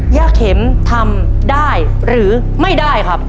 ย่าเข็มทำได้หรือไม่ได้ครับ